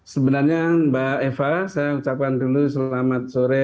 sebenarnya mbak eva saya ucapkan dulu selamat sore